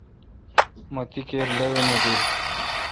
مہ تی کیر لاوینہ بیل۔